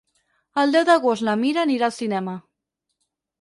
El deu d'agost na Mira anirà al cinema.